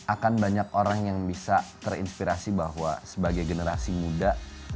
akan banyak orang yang bisa terinspirasi bahwa sebagai generasi muda